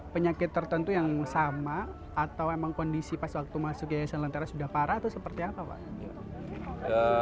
penyakit tertentu yang sama atau memang kondisi pas waktu masuk yayasan lentera sudah parah atau seperti apa pak